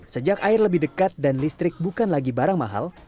sejak air lebih dekat dan listrik bukan lagi barang mahal